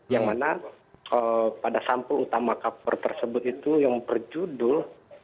yang mana pada sampul utama kaper tersebut itu yang berjudul